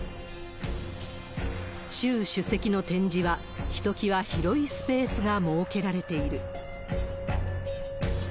習主席の展示は、ひときわ広いスペースが設けられている。